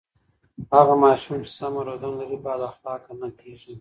هغه ماشوم چې سمه روزنه لري بد اخلاقه نه کېږي.